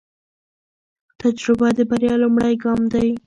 تجربه د بریا لومړی ګام دی.